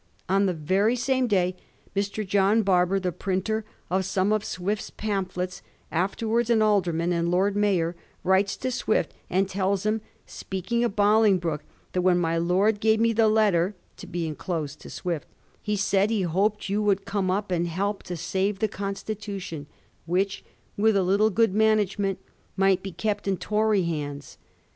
On the very same day Mr. John Barber, the printer of some of Swift's pamphlets, afterwards an Alderman and Lord Mayor, writes to Swift and tells him, speaking of Bolingbroke, that * when my lord gave me the letter ' (to be enclosed to Swift) *he said he hoped you would come up and help to save the constitution, which with a little good management might be kept in Tory hands.'